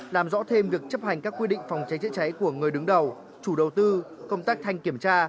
làm rõ thêm việc chấp hành các quy định phòng cháy chữa cháy của người đứng đầu chủ đầu tư công tác thanh kiểm tra